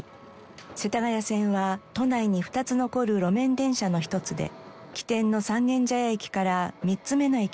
世田谷線は都内に２つ残る路面電車の一つで起点の三軒茶屋駅から３つ目の駅です。